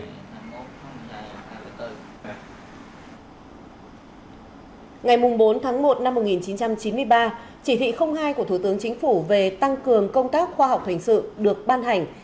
ngày bốn tháng một năm một nghìn chín trăm chín mươi ba chỉ thị hai của thủ tướng chính phủ về tăng cường công tác khoa học hình sự được ban hành